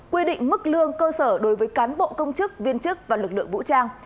quy định mức lương cơ sở đối với cán bộ công chức viên chức và lực lượng vũ trang